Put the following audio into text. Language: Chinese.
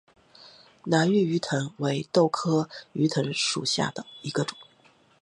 兰屿鱼藤为豆科鱼藤属下的一个种。